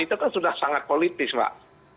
itu kan sudah sangat politis mbak